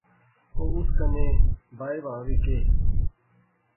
او اس کنے بائے وہا وی کہیہ